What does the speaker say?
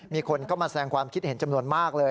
มีคนเข้ามาแสงความคิดเห็นจำนวนมากเลย